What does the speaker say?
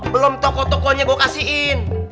belum toko tokonya gue kasihin